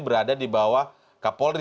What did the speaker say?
berada di bawah kapolri